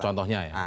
itu contohnya ya